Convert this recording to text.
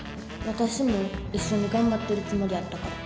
私も一緒に頑張ってるつもりやったから。